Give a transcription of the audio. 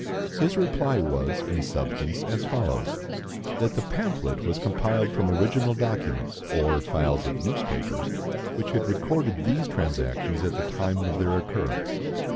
His reply was, in substance, as follows: That the pamphlet was compiled from original documents, or files of newspapers, which had recorded these transactions at the time of their occurrence.